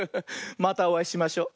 またおあいしましょ。